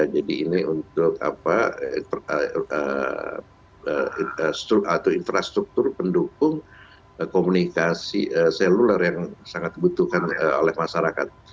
jadi ini untuk infrastruktur pendukung komunikasi seluler yang sangat dibutuhkan oleh masyarakat